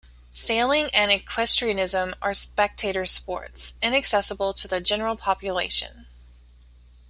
Sailing and equestrianism are spectator sports, inaccessible to the general population.